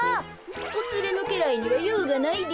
おつれのけらいにはようがないで。